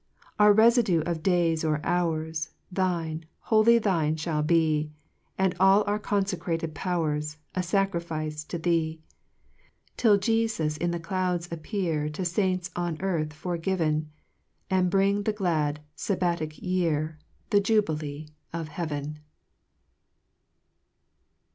5 Our reudue of days or hours Thine, wholly thine fhall be, And all our confecrated powers A facrifice to thee : 6 Till Jefus in the clouds appear, To faints on earth forgiven, And bring the grand fabbatic year, The jubilee of heaven.